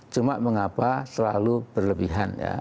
cuma mengapa terlalu berlebihan